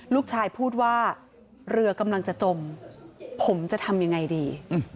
ลูกชายพูดว่าเรือกำลังจะจมผมจะทำยังไงดี